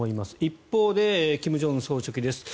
一方で金正恩総書記です。